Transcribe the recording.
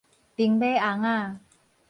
兵馬尪仔